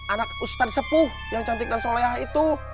anak ustan sepuh yang cantik dan soleha itu